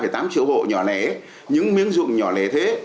một mươi ba tám triệu hộ nhỏ lẻ những miếng dụng nhỏ lẻ thế